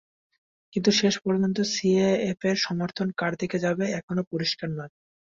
কিন্তু শেষ পর্যন্ত সিএএফের সমর্থন কার দিকে যাবে, এখনো পরিষ্কার নয়।